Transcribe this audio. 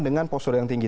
dengan posisi yang tinggi